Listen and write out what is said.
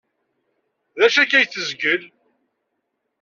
D acu akka ay tezgel?